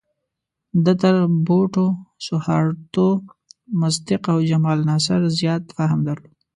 ده تر بوټو، سوهارتو، مصدق او جمال ناصر زیات فهم درلود.